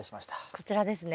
こちらですね。